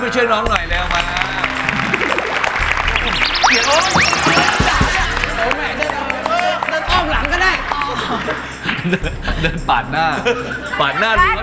ดูหน้าใดก่อนด้วย